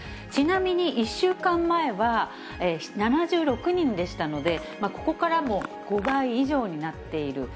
ちなみに、１週間前は７６人でしたので、ここからも５倍以上になっている。